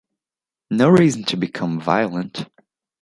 No reason to become violent.